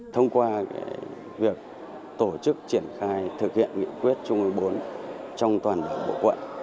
thông qua việc tổ chức triển khai thực hiện nghị quyết trung ương bốn trong toàn đảng bộ quận